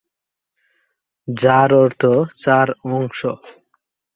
যার অর্থ চার অংশ।